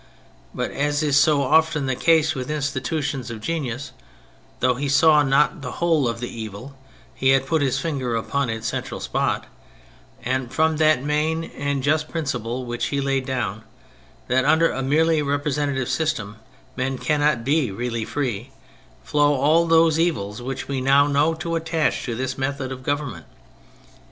But (as is so often the case with intuitions of genius) though he saw not the whole of the evil, he had put his finger upon its central spot, and from that main and just principle which he laid down — that under a merely repre sentative system men cannot be really free — flow all those evils which we now know to attach to this method of government.